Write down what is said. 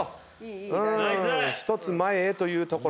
うーん１つ前へというところ。